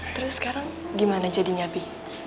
terus sekarang gimana jadinya bi